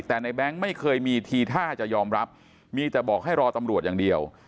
แต่ในแบงค์ไม่เคยมีทีท่าจะยอมรับมีแต่บอกให้รอตำรวจอย่างเดียว